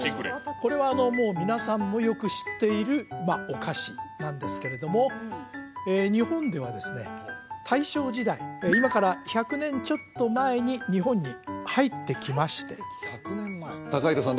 これはもう皆さんもよく知っているお菓子なんですけれども日本ではですね大正時代今から１００年ちょっと前に日本に入ってきまして１００年前ＴＡＫＡＨＩＲＯさん